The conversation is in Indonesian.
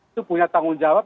itu punya tanggung jawab